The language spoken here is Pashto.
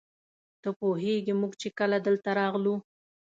ته پوهېږې موږ چې کله دلته راغلو.